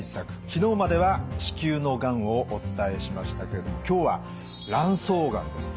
昨日までは子宮のがんをお伝えしましたけれども今日は卵巣がんです。